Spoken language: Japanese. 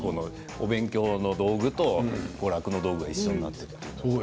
お勉強の道具と娯楽の道具一緒になってるのはどう？